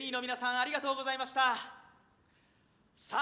ありがとうございましたさあ